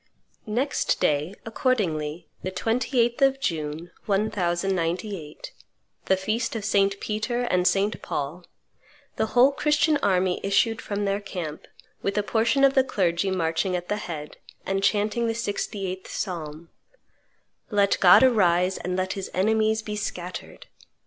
Next day, accordingly, the 28th of June, 1098, the feast of St. Peter and St. Paul, the whole Christian army issued from their camp, with a portion of the clergy marching at their head, and chanting the 68th Psalm, "Let God arise, and let His enemies be scattered!"